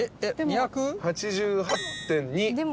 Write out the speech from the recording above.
２８８．２。